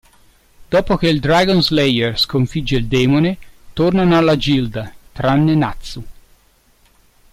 Dopo che il dragon slayer sconfigge il demone, tornano alla gilda, tranne Natsu.